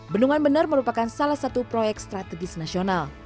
bendungan benar merupakan salah satu proyek strategis nasional